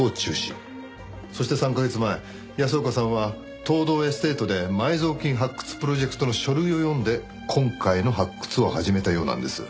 そして３カ月前安岡さんは東堂エステートで埋蔵金発掘プロジェクトの書類を読んで今回の発掘を始めたようなんです。